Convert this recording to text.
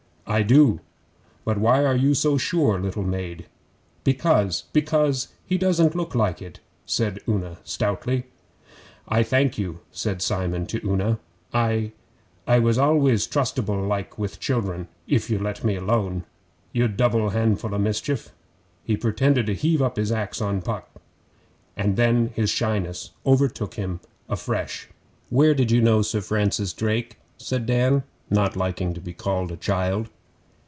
'I do. But why are you so sure, little maid?' 'Because because he doesn't look like it,' said Una stoutly. 'I thank you,' said Simon to Una. 'I I was always trustable like with children if you let me alone, you double handful o' mischief.' He pretended to heave up his axe on Puck; and then his shyness overtook him afresh. 'Where did you know Sir Francis Drake?' said Dan, not liking being called a child.